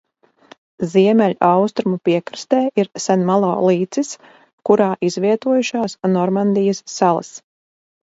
Ziemeļaustrumu piekrastē ir Senmalo līcis, kurā izvietojušās Normandijas salas.